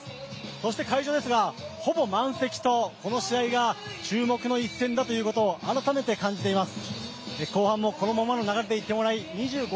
そして会場ですが、ほぼ満席とこの試合が注目の一戦だということを改めて感じています。